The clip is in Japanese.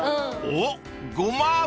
［おっごま油？］